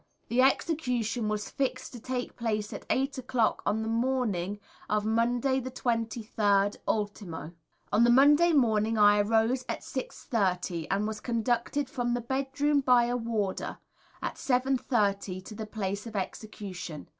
The execution was fixed to take place at eight o'clock on the morning of Monday the 23rd ultimo. On the Monday morning I arose at 6 30, and was conducted from the Bedroom by a Warder, at 7 30, to the place of execution.